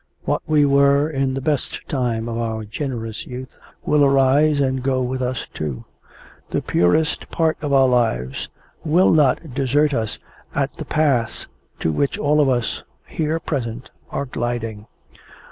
What we were in the best time of our generous youth will arise and go with us too. The purest part of our lives will not desert us at the pass to which all of us here present are gliding.